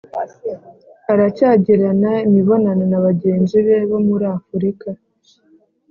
aracyagirana imibonano na bagenzi be bo muri afurika,